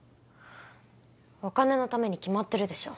お金のために決まってるでしょ